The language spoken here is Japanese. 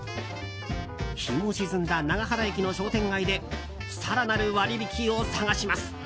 日も沈んだ長原駅の商店街で更なる割引を探します。